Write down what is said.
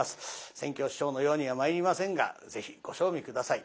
扇橋師匠のようにはまいりませんがぜひご賞味下さい。